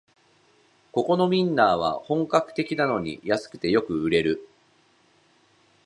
ここのウインナーは本格的なのに安くてよく売り切れる